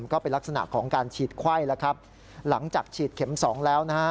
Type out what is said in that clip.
ก็เป็นลักษณะของการฉีดไข้หลังจากฉีดเข็ม๒แล้ว